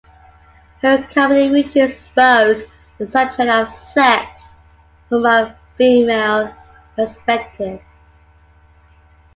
Her comedy routines exposed the subject of sex from a female perspective.